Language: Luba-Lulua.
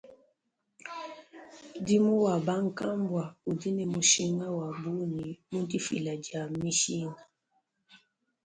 Mudimu wa bankambua udi ne mushinga wa bungi mu difila dia mishinga.